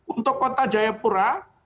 untuk kota jayapura